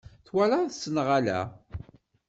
Twalaḍ-tt neɣ ala?